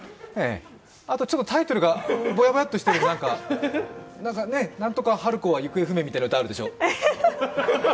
あとタイトルがボヤボヤってしてる、何とかハルコは行方不明みたいな歌、あるでしょ？